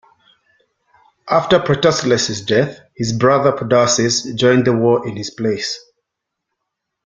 After Protesilaus' death, his brother, Podarces, joined the war in his place.